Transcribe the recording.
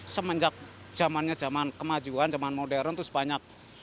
semenjak zamannya zaman kemajuan zaman modern terus banyak